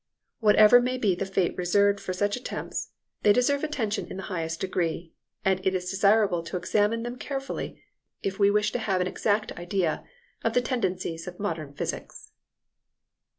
Whatever may be the fate reserved for such attempts, they deserve attention in the highest degree; and it is desirable to examine them carefully if we wish to have an exact idea of the tendencies of modern physics.